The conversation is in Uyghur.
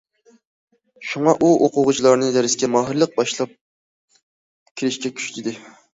شۇڭا ئۇ ئوقۇغۇچىلارنى دەرسكە ماھىرلىق باشلاپ كىرىشكە كۈچىدى.